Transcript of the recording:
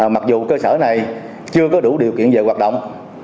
mặc dù cơ sở này chưa có đủ điều kiện về hoạt động